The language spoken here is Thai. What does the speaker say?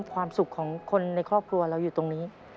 ความสุขของคนในครอบครัวเราอยู่ตรงนี้